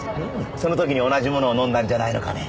その時に同じものを飲んだんじゃないのかね？